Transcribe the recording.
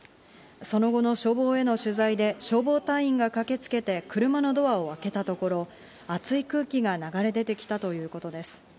その後の消防への取材で、消防隊員が駆けつけて、車のドアを開けたところ、熱い空気が流れ出て来たということです。